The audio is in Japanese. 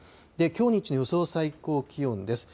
きょう日中の予想最高気温です。